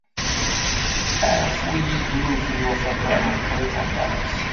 Ɛfu-yi ddnub-iw, axaṭer meqqrit aṭas.